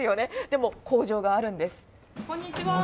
でも、工場があるんです。